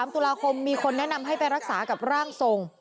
๓ตุลาคมมีคนแนะนำให้ไปรักษากับร่างทรง